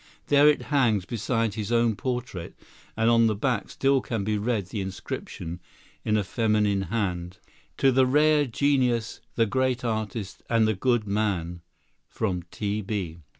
There it hangs beside his own portrait, and on the back still can be read the inscription, in a feminine hand: "To the rare genius, the great artist, and the good man, from T. B."